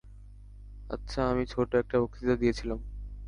আচ্ছা, আমি ছোট একটা বক্তৃতা দিয়েছিলাম।